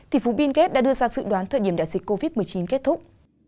tỷ phú bill gates đã đưa ra sự đoán thời điểm đại dịch covid một mươi chín kết thúc